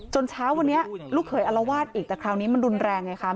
เช้าวันนี้ลูกเคยอารวาสอีกแต่คราวนี้มันรุนแรงไงคะ